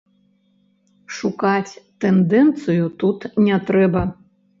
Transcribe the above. Шукаць тэндэнцыю тут не трэба.